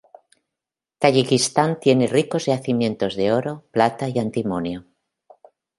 Tayikistán tiene ricos yacimientos de oro, plata y antimonio.